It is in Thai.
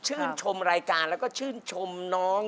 ชมรายการแล้วก็ชื่นชมน้อง